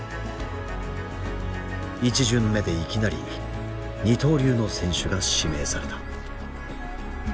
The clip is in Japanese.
１巡目でいきなり二刀流の選手が指名された。